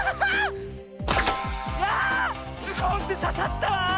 ズコンってささったわ！